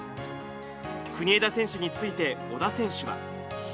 国枝選手について、小田選手は。